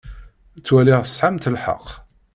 Ttwaliɣ tesɛamt lḥeqq.